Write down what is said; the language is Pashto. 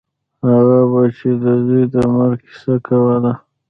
هغه به چې د زوى د مرګ کيسه کوله.